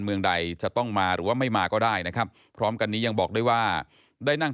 เมืองใดจะต้องมาหรือว่าไม่มาก็ได้นะครับพร้อมกันนี้ยังบอกด้วยว่าได้นั่ง